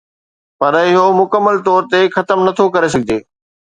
پر اهو مڪمل طور تي ختم نٿو ڪري سگهجي